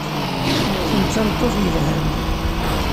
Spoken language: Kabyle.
Kemm d tameṭṭut yelhan.